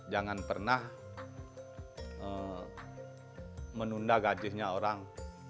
jangan pernah menunda gajinya orang